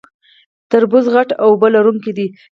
تربوز غټ او اوبه لرونکی دی